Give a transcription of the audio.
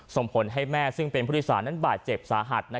ส่งผลให้แม่ซึ่งเป็นผู้โดยสารนั้นบาดเจ็บสาหัส